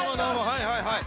はいはいはい。